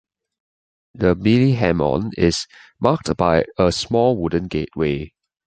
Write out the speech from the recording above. The "Minamimon" is marked by a small wooden gateway.